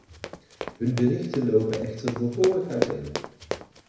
Hun berichten lopen echter behoorlijk uiteen.